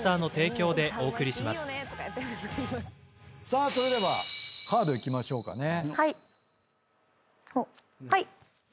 さあそれではカードいきましょうかね。